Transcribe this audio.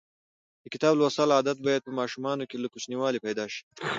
د کتاب لوستلو عادت باید په ماشومانو کې له کوچنیوالي پیدا شي.